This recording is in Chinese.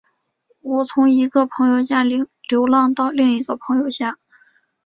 我从一个朋友家流浪到另一个朋友家。